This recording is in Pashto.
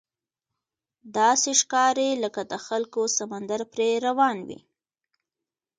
داسې ښکاري لکه د خلکو سمندر پرې روان وي.